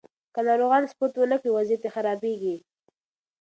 که ناروغان سپورت ونه کړي، وضعیت یې خرابېږي.